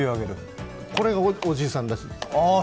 これがおじいさんらしいです。